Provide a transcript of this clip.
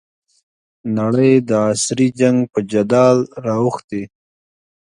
نړۍ د عصري جنګ په جدل رااوښتې.